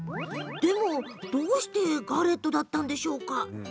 でも、どうしてガレットだったんでしょうか？